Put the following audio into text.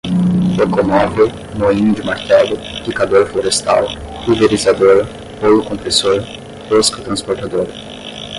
locomóvel, moinho de martelo, picador florestal, pulverizador, rolo compressor, rosca transportadora